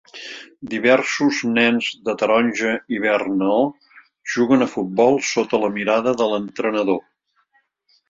diversos nens de taronja i verd neó juguen a futbol sota la mirada de l'entrenador.